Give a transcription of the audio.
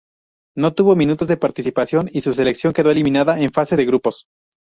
No tuvo minutos de participación y su selección quedó eliminada en fase de grupos.